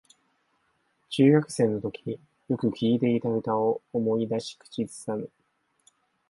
中学生のときによく聴いていた歌を思い出し口ずさむ